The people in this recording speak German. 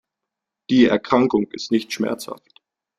Die Erkrankung ist nicht schmerzhaft.